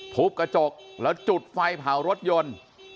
ทุบกระจกแล้วจุดไฟเผารถยนต์